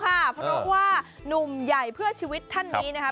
เพราะว่านุ่มใหญ่เพื่อชีวิตท่านนี้นะคะ